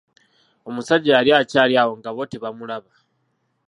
Omusajja yali akyaliwo nga bo tebamulaba.